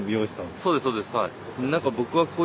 そうですそうですはい。